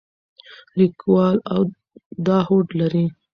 لیکوال دا هوډ لري.